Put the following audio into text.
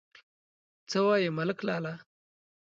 _څه وايې ملک لالا ؟